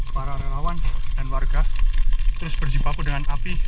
para relawan dan warga terus berjibaku dengan api